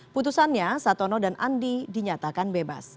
putusannya satono dan andi dinyatakan bebas